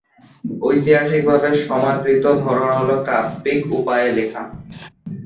ঐতিহাসিক ভাবে সমাদৃত ধরন হলো কাব্যিক উপায়ে লেখা।